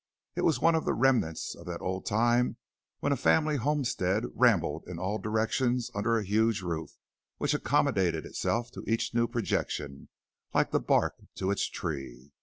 It was one of the remnants of that old time when a family homestead rambled in all directions under a huge roof which accommodated itself to each new projection, like the bark to its tree.